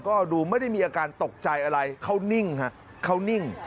ก็ดูไม่ได้มีอาการตกใจอะไรเขานิ่งฮะเขานิ่ง